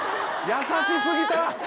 優し過ぎた！